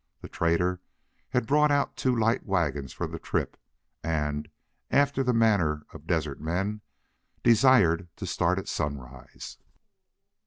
The trader had brought out two light wagons for the trip, and, after the manner of desert men, desired to start at sunrise.